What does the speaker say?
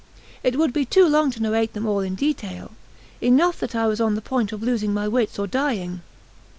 It would be too long to narrate them all in detail; enough that I was on the point of losing my wits or dying.